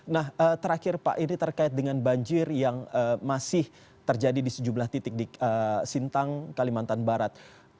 nah terakhir pak ini terkait dengan banjir yang masih terjadi di sejumlah titik di sintang kalimantan barat